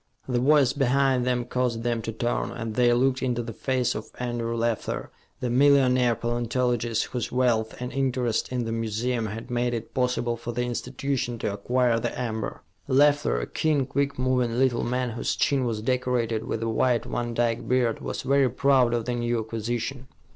The voice behind them caused them to turn, and they looked into the face of Andrew Leffler, the millionaire paleontologist, whose wealth and interest in the museum had made it possible for the institution to acquire the amber. Leffler, a keen, quick moving little man, whose chin was decorated with a white Van Dyke beard, was very proud of the new acquisition.